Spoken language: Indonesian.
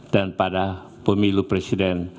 dan pada pemilu presiden